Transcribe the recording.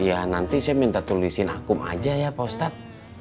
ya nanti saya minta tulisin akum aja ya pak ustadz